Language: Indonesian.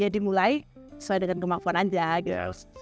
jadi mulai sesuai dengan kemampuan aja gitu